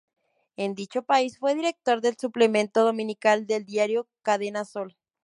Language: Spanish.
En dicho país fue director del Suplemento Dominical del diario "Cadena Sol".